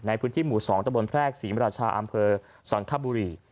ในพื้นที่หมู่๒ตะบนแพรกศรีมราชาอำเภอสังคบุรี